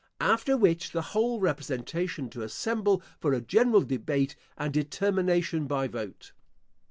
After which the whole representation to assemble for a general debate and determination by vote.